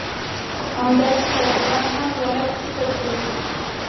همداسې طالبان هم غلط فکر کوي